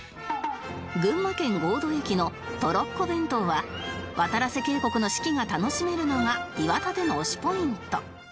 群馬県神戸駅のトロッコ弁当はわたらせ渓谷の四季が楽しめるのが岩立の推しポイント